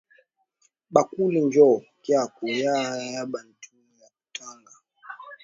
Bukali njo kya kurya kya bantu ya katanga